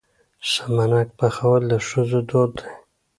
سمنک پخول د ښځو دود دی.